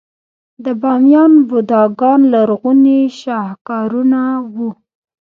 د بامیان بوداګان لرغوني شاهکارونه وو